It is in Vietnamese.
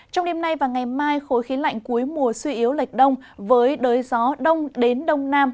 trong đêm nay và ngày mai khối khí lạnh cuối mùa suy yếu lệch đông với đới gió đông đến đông nam